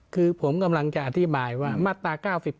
คือผมกำลังจะอธิบายว่ามาตรา๙๘